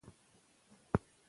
هغه ښار ته کله ځي؟